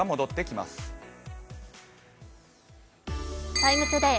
「ＴＩＭＥ，ＴＯＤＡＹ」